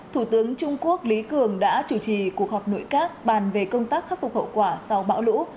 thủ tướng trung quốc lý cường đã chủ trì cuộc họp nội các bàn về công tác khắc phục hậu quả sau bão lũ